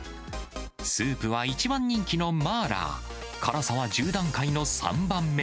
スープは一番人気のマーラー、辛さは１０段階の３番目。